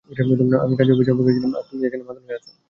আমি কাজি অফিসে অপেক্ষায় ছিলাম, আর তুমি এখানে মাতাল হয়ে আছো?